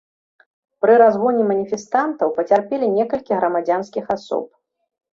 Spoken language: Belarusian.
Пры разгоне маніфестантаў пацярпелі некалькі грамадзянскіх асоб.